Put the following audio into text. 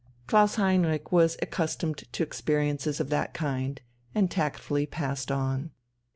Klaus Heinrich was accustomed to experiences of that kind, and tactfully passed on.